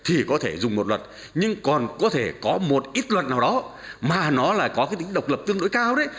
thì có thể dùng một luật nhưng còn có thể có một ít luật nào đó mà nó lại có cái tính độc lập tương đối cao đấy